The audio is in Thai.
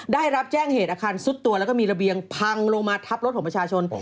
ได้รับแจ้งเหตุอาคารซุดตัวแล้วก็มีระเบียงพังลงมาทับรถของประชาชน